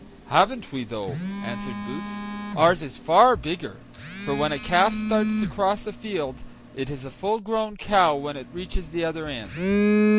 "Haven't we though!" answered Boots; "ours is far bigger; for when a calf starts to cross a field, it is a full grown cow when it reaches the other end."